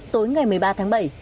tối ngày một mươi ba tháng bảy